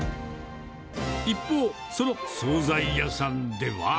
一方、その総菜屋さんでは。